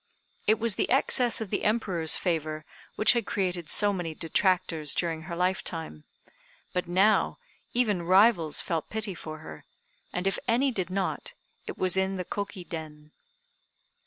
It was the excess of the Emperor's favor which had created so many detractors during her lifetime; but now even rivals felt pity for her; and if any did not, it was in the Koki den.